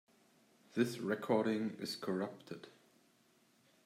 This recording is corrupted.